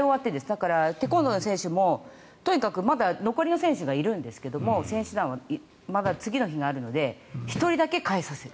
だからテコンドーの選手もまだ残りの選手がいるんですけど選手団は次の日があるので１人だけ帰させる。